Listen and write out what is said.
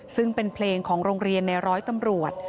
ซึ่งเป็นเพลงของโรงเรียนในร้อยตำรวจ